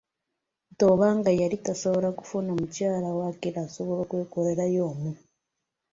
Nti oba nga yali tasobola kufuna mukyala, waakiri asobola okwekolerayo omu.